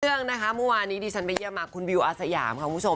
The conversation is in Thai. เรื่องว่ามนที่เวลานี้ดีฉันไปเยี่ยมมาะคุณวิวอาสยามครับคุณผู้ชม